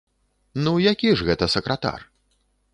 Ну, які ж гэта сакратар?